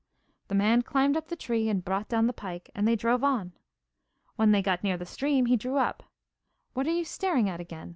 The man climbed up the tree and brought down the pike, and they drove on. When they got near the stream he drew up. 'What are you staring at again?